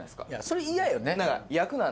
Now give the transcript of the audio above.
それ嫌よね。